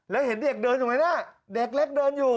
แล้วเห็นเด็กเดินอยู่ไหมเนี่ยเด็กเล็กเดินอยู่